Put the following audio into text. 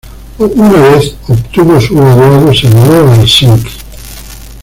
Una vez obtuvo su graduado se mudó a Helsinki.